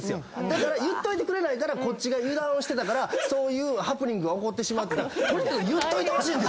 だから言っといてくれないからこっちが油断をしてたからそういうハプニングが起こってしまった言っといてほしいんです！